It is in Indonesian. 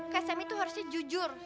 kak semi tuh harusnya jujur